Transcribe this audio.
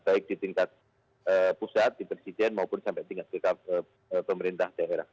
baik di tingkat pusat di presiden maupun sampai di luar